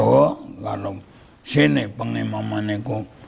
nah itu kalau sini pengimamaniku